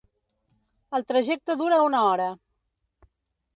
El trajecte dura una hora.